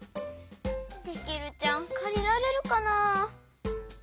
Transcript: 「デキルちゃん」かりられるかな。